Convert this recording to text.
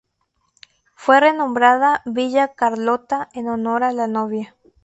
Fue renombrada Villa Carlotta en honor a la novia.